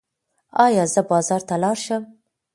ایا زه بازار ته لاړ شم؟